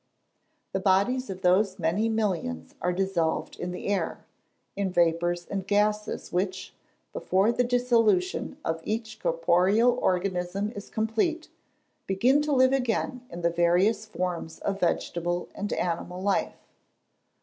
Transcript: The bodies of those many millions are dissolved in the air, in vapours and gases which, before the dissolution of each corporeal organism is complete, begin to live again in the various forms of vegetable and animal life.